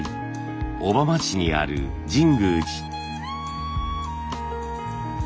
小浜市にある神宮寺。